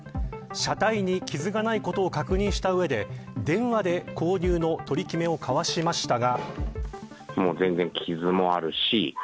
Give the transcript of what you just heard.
車体に傷がないことを確認した上で電話で購入の取り決めを交わしましたが。